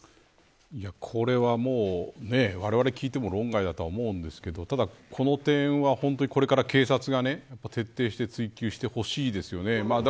これは、もうわれわれ聞いても論外だとは思うんですけどただこの点は本当にこれから警察が徹底して追及してほしいですよね。